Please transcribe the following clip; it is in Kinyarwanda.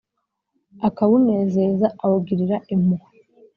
akawunezeza awugirira impuhwe.